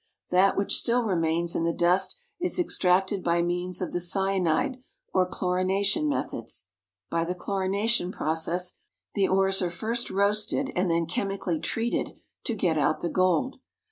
That which still remains in the dust is extracted by means of the cyanide or chlorination methods. By the chlorination process the ores are first roasted, and then chemically treated to get out the gold.